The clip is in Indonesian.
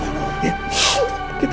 nggak boleh lagi